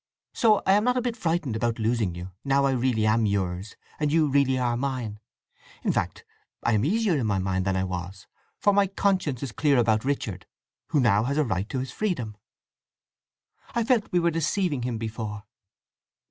So I am not a bit frightened about losing you, now I really am yours and you really are mine. In fact, I am easier in my mind than I was, for my conscience is clear about Richard, who now has a right to his freedom. I felt we were deceiving him before."